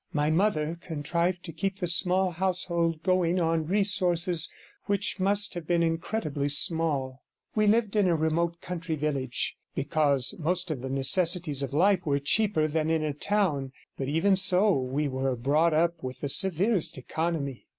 My mother contrived to keep the small household going on resources which must have been incredibly small; we lived in a remote country village, because most of the necessaries of life were cheaper than in a town, but even so we were brought up with the severest economy.